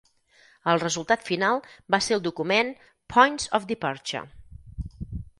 El resultat final va ser el document "Points of Departure".